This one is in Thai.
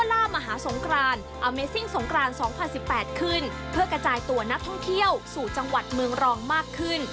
และท่องเที่ยวสู่จังหวัดเมืองรองมากขึ้น